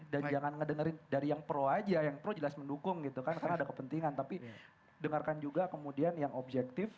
dan jangan ngedengerin dari yang pro aja yang pro jelas mendukung gitu kan karena ada kepentingan tapi dengarkan juga kemudian yang objektif